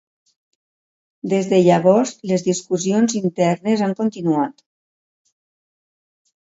Des de llavors, les discussions internes han continuat.